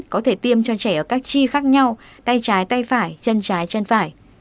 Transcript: có thể tiêm cho trẻ ở các chi khác nhau tay trái tay phải chân trái chân phải